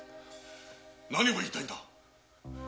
何を言いたいのだ！？